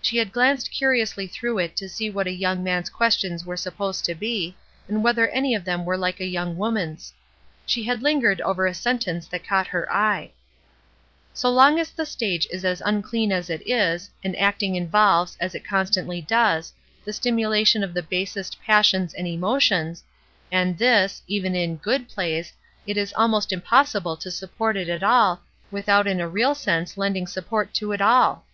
She had glanced curiously through it to see what a young man's questions were supposed to be, and whether any of them were like a young woman's. She had hngered over a sentence that caught her eye :— "So long as the stage is as unclean as it is, and acting involves, as it constantly does, the simulation of the basest passions and emotions, and this, even in 'good plays,' it is almost im possible to support it at all, without in a real sense lending support to it all."